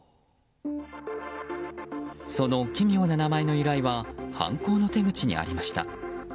その奇妙な名前の由来は犯行の手口にありました。